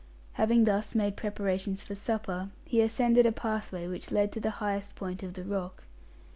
Having thus made preparations for supper, he ascended a pathway which led to the highest point of the rock.